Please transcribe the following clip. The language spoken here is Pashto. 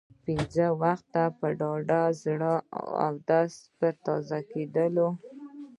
پنځه وخته به په ډاډه زړه اودس پرې تازه کېدلو.